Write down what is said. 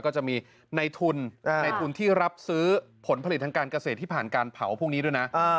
ก็จะมีในทุนในทุนที่รับซื้อผลผลิตทางการเกษตรที่ผ่านการเผาพวกนี้ด้วยนะ